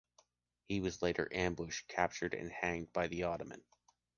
He was later ambushed, captured and hanged by the Ottoman.